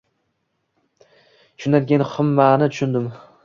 Shundan keyin hammasini tushundim